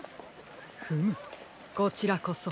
フムこちらこそ。